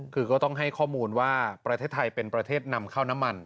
คือก็ต้องให้ข้อมูลว่าประเทศไทยเป็นประเทศนำเข้าน้ำมัน